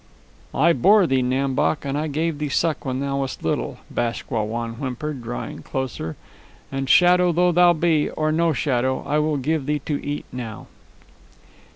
"I bore thee, Nam Bok, and I gave thee suck when thou wast little," Bask Wah Wan whimpered, drawing closer; "and shadow though thou be, or no shadow, I will give thee to eat now."